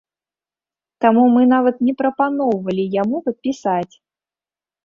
Таму мы нават не прапаноўвалі яму падпісаць.